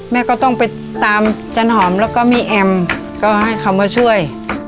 แม่ก็ต้องไปตามจันหอมแล้วก็มีแอมก็ให้เขามาช่วย